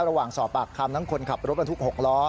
ระหว่างสอบปากคำนักขับรถมันทุกข์๖ล้อ